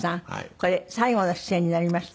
これ最後の出演になりました。